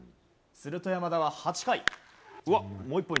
すると、山田は８回。